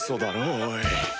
おい。